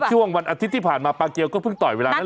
ช่วงวันอาทิตย์ที่ผ่านมาปาเกียวก็เพิ่งต่อยเวลานั้น